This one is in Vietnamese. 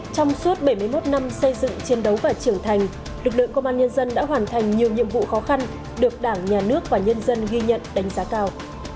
trong suốt bảy mươi một năm xây dựng chiến đấu và trưởng thành lực lượng công an nhân dân đã hoàn thành nhiều nhiệm vụ khó khăn được đảng nhà nước và nhân dân ghi nhận đánh giá cao